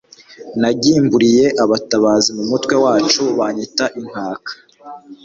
nagimbuliye abatabazi mu mutwe wacu banyita inkaka